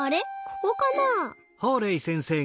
ここかなあ？